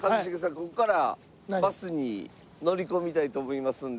ここからバスに乗り込みたいと思いますんで。